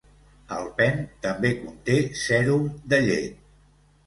Alpen també conté sèrum de llet.